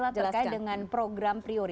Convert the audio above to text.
ini adalah terkait dengan program priwata